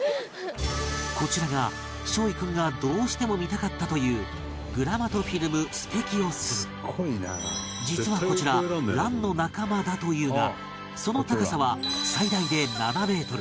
こちらが梢位君がどうしても見たかったという実はこちらランの仲間だというがその高さは最大で７メートル